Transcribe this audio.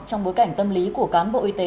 trong bối cảnh tâm lý của cán bộ y tế